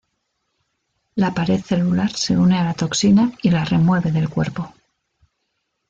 La pared celular se une a la toxina y la remueve del cuerpo.